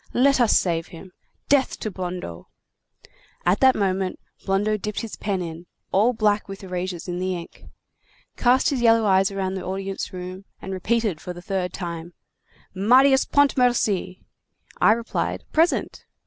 Let us save him. Death to Blondeau!' At that moment, Blondeau dipped his pen in, all black with erasures in the ink, cast his yellow eyes round the audience room, and repeated for the third time: 'Marius Pontmercy!' I replied: 'Present!